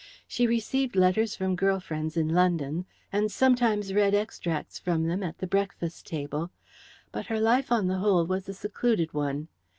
She received letters from girl friends in London, and sometimes read extracts from them at the breakfast table, but her life, on the whole, was a secluded one.